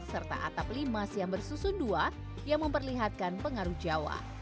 serta atap limas yang bersusun dua yang memperlihatkan pengaruh jawa